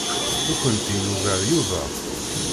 Nekkenti nugar Yuba.